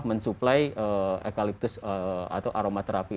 mensuplai ekaliptus atau aromaterapi